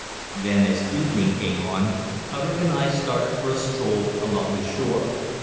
Then, as evening came on, Hubbard and I started for a stroll along the shore.